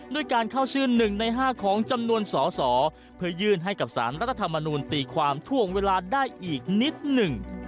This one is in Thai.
ด้วยการเข้าชื่อ๑ใน๕ของจำนวนสอสอเพื่อยื่นให้กับสารรัฐธรรมนูลตีความถ่วงเวลาได้อีกนิดหนึ่ง